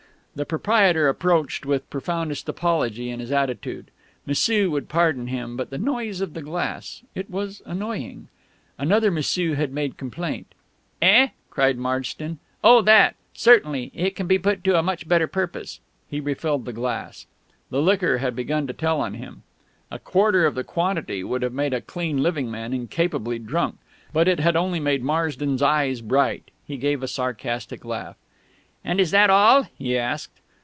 The proprietor approached with profoundest apology in his attitude. M'sieu would pardon him, but the noise of the glass ... it was annoying ... another M'sieu had made complaint.... "Eh?..." cried Marsden. "Oh, that! Certainly! It can be put to a much better purpose." He refilled the glass. The liquor had begun to tell on him. A quarter of the quantity would have made a clean living man incapably drunk, but it had only made Marsden's eyes bright. He gave a sarcastic laugh. "And is that all?" he asked.